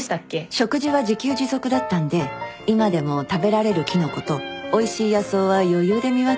食事は自給自足だったんで今でも食べられるキノコとおいしい野草は余裕で見分けられます。